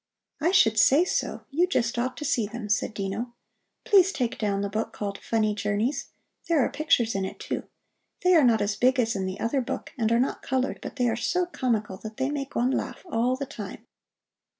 "I should say so! You just ought to see them," said Dino. "Please take down the book called 'Funny Journeys.' There are pictures in it, too. They are not as big as in the other book and are not colored, but they are so comical that they make one laugh all the time."